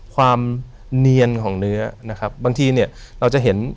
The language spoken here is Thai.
ความเนียนของเนื้อนะครับบางทีเนี่ยเราจะเห็น